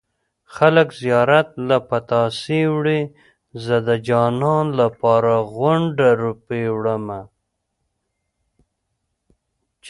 خلک زيارت له پتاسې وړي زه د جانان لپاره غونډه روپۍ وړمه